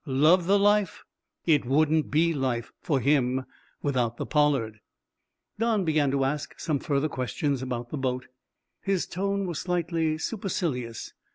Love the life? It wouldn't be life, for him, without the "Pollard!" Don began to ask some further questions about the boat. His tone was slightly supercilious.